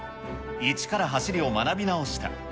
一から走りを学び直した。